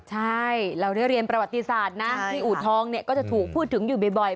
ใช่เราได้เรียนประวัติศาสตร์นะที่อูทองเนี่ยก็จะถูกพูดถึงอยู่บ่อย